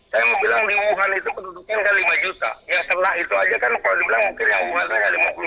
saya mau bilang di wuhan itu penduduknya kan lima juta yang kena itu aja kan kalau dibilang mungkin yang wuhan hanya lima puluh